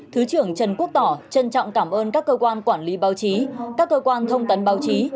thứ trưởng trần quốc tỏ trân trọng cảm ơn các cơ quan quản lý báo chí các cơ quan thông tấn báo chí